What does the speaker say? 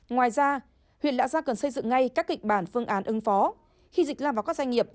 ngoài ra huyện lạc gia cần xây dựng ngay các kịch bản phương án ứng phó khi dịch làm vào các doanh nghiệp